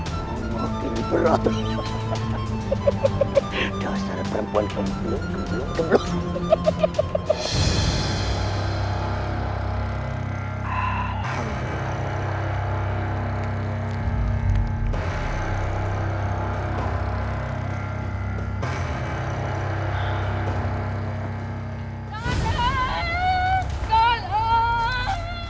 semakin berat dasar perempuan gemblok gemblok